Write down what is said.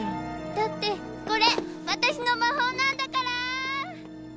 だってこれ私の魔法なんだから！